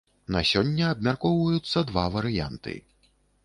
На сёння абмяркоўваюцца два варыянты.